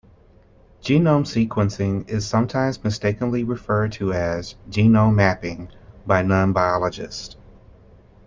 Genome sequencing is sometimes mistakenly referred to as "genome mapping" by non-biologists.